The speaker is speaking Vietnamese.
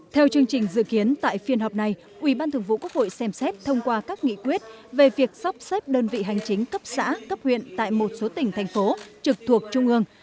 theo chương trình dự kiến tại phiên họp này ủy ban thường vụ quốc hội xem xét thông qua các nghị quyết về việc sắp xếp đơn vị hành chính cấp xã cấp huyện tại một số tỉnh thành phố trực thuộc trung ương